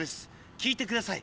聴いてください